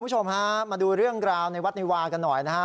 คุณผู้ชมฮะมาดูเรื่องราวในวัดนิวากันหน่อยนะฮะ